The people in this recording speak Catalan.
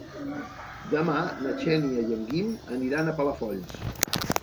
Demà na Xènia i en Guim aniran a Palafolls.